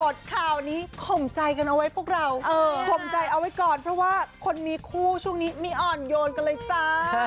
ข่าวนี้ข่มใจกันเอาไว้พวกเราข่มใจเอาไว้ก่อนเพราะว่าคนมีคู่ช่วงนี้มีอ่อนโยนกันเลยจ้า